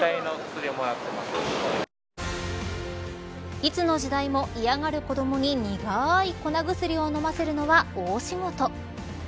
いつの時代も嫌がる子どもに苦い粉薬を飲ませるのは大仕事。